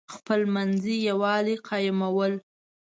خپلمنځي یوالی قایمول.